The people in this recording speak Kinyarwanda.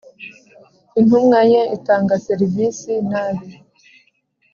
intumwa ye itanga serivisi nabi.